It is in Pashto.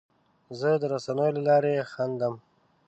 زه د رسنیو له لارې خندم.